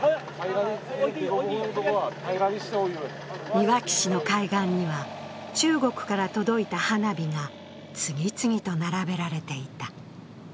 いわき市の海岸には中国から届いた花火が次々と並べられていた。